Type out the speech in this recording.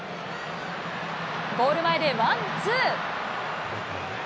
ゴール前でワンツー。